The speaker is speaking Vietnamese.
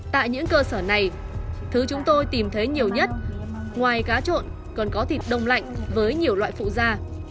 tại những cơ sở này thứ chúng tôi tìm thấy nhiều nhất ngoài cá trộn còn có thịt đông lạnh với nhiều loại phụ da